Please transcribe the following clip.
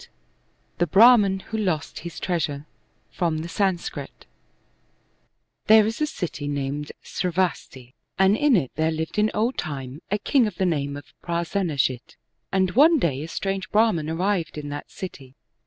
TAe Brdhman Who Lost His Treasure From the Sanskrit 'pHERE is a city named ^ravasti, and in it there lived in old time a king of the name of Prasenajit, and one day a strange Brahman arrived in that city.